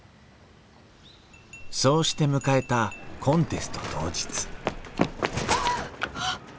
そうして迎えたコンテスト当日はあっ！